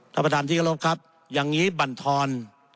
ท่านประธานที่กรบครับอย่างนี้บรรทอน